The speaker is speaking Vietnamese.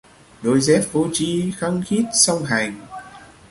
Đôi dép vô tri khăng khít song hành